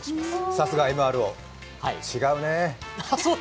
さすがＭＲＯ、違うね。